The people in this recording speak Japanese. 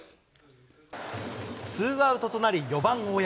ツーアウトとなり、４番大山。